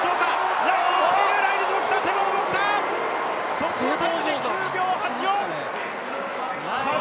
速報タイム９秒８４。